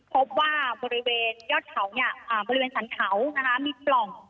พบว่าบริเวณยอดเขาเนี่ยบริเวณสรรเขามีปล่อง